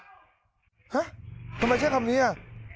ฮะทำไมใช้คำนี้อ่ะ